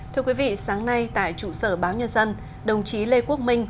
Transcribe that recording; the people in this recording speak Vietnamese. thưa quý vị sáng nay tại trụ sở báo nhân dân đồng chí lê quốc minh